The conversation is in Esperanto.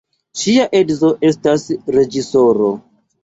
Ŝia edzo estas reĝisoro.